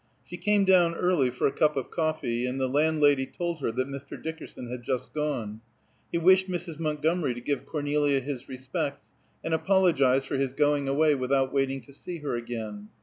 She came down early for a cup of coffee, and the landlady told her that Mr. Dickerson had just gone; he wished Mrs. Montgomery to give Cornelia his respects, and apologize for his going away without waiting to see her again.